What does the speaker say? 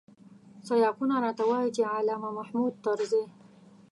سیاقونه راته وايي چې علامه محمود طرزی.